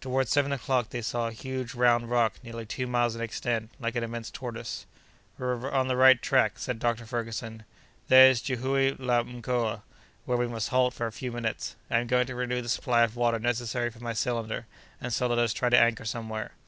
Toward seven o'clock they saw a huge round rock nearly two miles in extent, like an immense tortoise. "We are on the right track," said Dr. Ferguson. "There's Jihoue la Mkoa, where we must halt for a few minutes. I am going to renew the supply of water necessary for my cylinder, and so let us try to anchor somewhere."